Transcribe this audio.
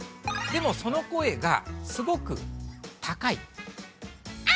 でもその声がすごく高い。